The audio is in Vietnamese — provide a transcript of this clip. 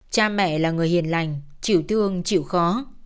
cha mẹ là người hiền lành chịu thương chịu khó